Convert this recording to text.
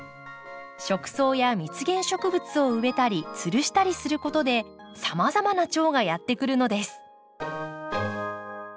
食草や蜜源植物を植えたりつるしたりすることでさまざまなチョウがやって来るのです。